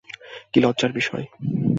কী লজ্জার বিষয়!